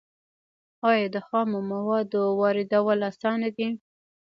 آیا د خامو موادو واردول اسانه دي؟